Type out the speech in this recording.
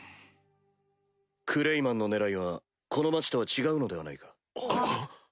クレイマンの狙いはこの町とは違うのではないか？